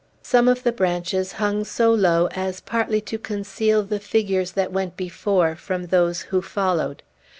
Some of the branches hung so low as partly to conceal the figures that went before from those who followed.